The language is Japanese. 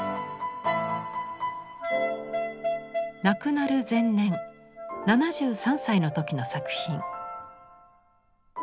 亡くなる前年７３歳の時の作品。